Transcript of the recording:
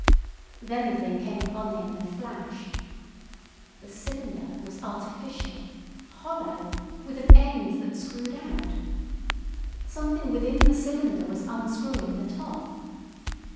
Then the thing came upon him in a flash. The cylinder was artificial—hollow—with an end that screwed out! Something within the cylinder was unscrewing the top!